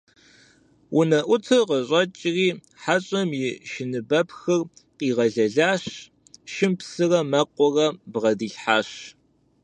Унэӏутыр къыщӀэкӀри хьэщӏэм и шыныбэпхыр къигъэлэлащ, шым псырэ мэкъурэ бгъэдилъхьащ.